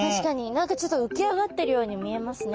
何かちょっと浮き上がってるように見えますね。